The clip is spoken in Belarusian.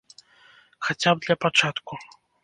Хаця б для пачатку.